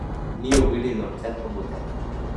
mi o wile lon tenpo mute.